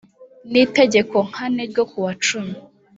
n itegeko n kane ryo kuwa cumi